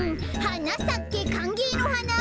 「はなさけかんげいのはな」